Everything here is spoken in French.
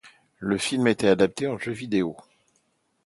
Le film a été adapté en jeu vidéo.